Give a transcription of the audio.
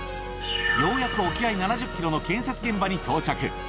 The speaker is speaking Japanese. ようやく沖合７０キロの建設現場に到着。